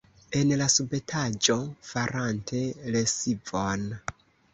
En la subetaĝo, farante lesivon.